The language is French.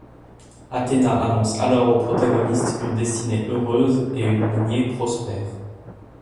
Athéna annonce alors aux protagonistes une destinée heureuse et une lignée prospère.